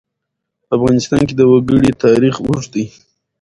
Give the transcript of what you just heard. په افغانستان کې د وګړي تاریخ اوږد دی.